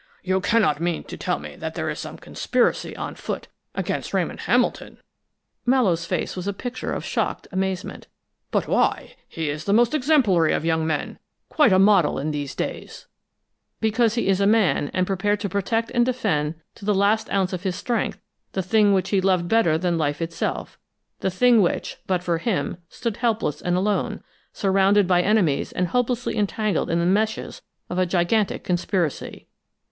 "You cannot mean to tell me that there is some conspiracy on foot against Ramon Hamilton!" Mallowe's face was a picture of shocked amazement. "But why? He is the most exemplary of young men, quite a model in these days " "Because he is a man, and prepared to protect and defend to the last ounce of his strength the thing which he loved better than life itself the thing which, but for him, stood helpless and alone, surrounded by enemies and hopelessly entangled in the meshes of a gigantic conspiracy!"